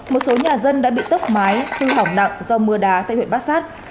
một số nhà dân đã bị tốc mái hư hỏng nặng do mưa đá tại huyện bát sát